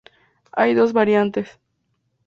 Hay dos variantes.